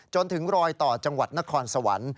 จนถึงรอยต่อจังหวัดนครสวรรค์